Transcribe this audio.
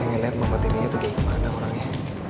ngelihat mama tirinya tuh gimana orangnya